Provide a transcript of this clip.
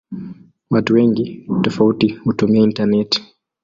Watu wengi tofauti hutumia intaneti.